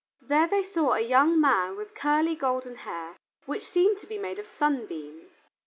There they saw a young man with curly golden hair which seemed to be made of sunbeams.